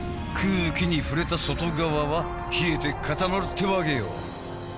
空気に触れた外側は冷えて固まるってわけよ。